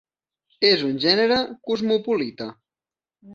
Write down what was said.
És un gènere cosmopolita.